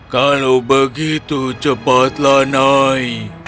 kalau begitu cepatlah naik